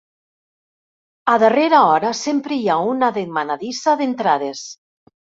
A darrera hora sempre hi ha una demanadissa d'entrades.